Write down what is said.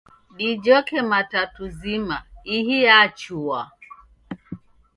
Dijhoke matatu zima, ihi yachua